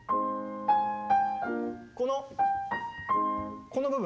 このこの部分。